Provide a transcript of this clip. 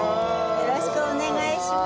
よろしくお願いします。